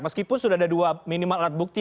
meskipun sudah ada dua minimal alat bukti